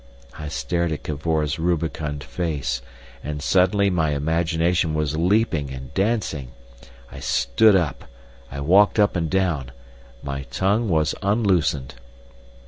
I stared at Cavor's rubicund face, and suddenly my imagination was leaping and dancing. I stood up, I walked up and down; my tongue was unloosened.